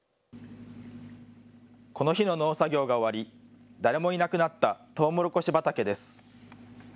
この日の農作業が終わり、誰もいなくなった、とうもろこし畑です。